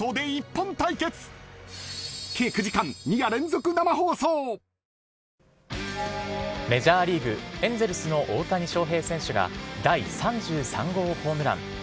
吉田容疑者はメジャーリーグエンゼルスの大谷翔平選手が第３３号ホームラン。